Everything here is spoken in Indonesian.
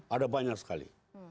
ada banyak sekali